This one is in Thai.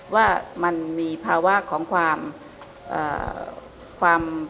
ว่ามันมีภาวะของความ